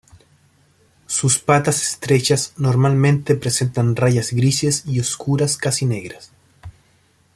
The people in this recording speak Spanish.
Sus patas estrechas normalmente presentan rayas grises y oscuras casi negras.